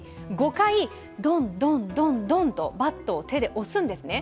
５回、どんどんどんどんとバットを手で押すんですね。